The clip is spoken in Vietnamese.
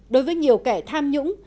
đối với nhiều kẻ tham nhũng